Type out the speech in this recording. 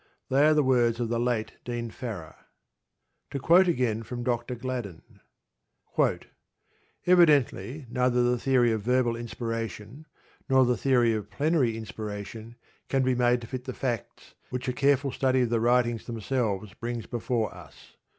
They are the words of the late Dean Farrar. To quote again from Dr. Gladden: Evidently neither the theory of verbal inspiration, nor the theory of plenary inspiration, can be made to fit the facts which a careful study of the writings themselves brings before us.